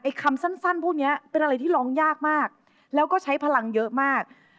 คำสั้นพวกนี้เป็นอะไรที่ร้องยากมากแล้วก็ใช้พลังเยอะมาก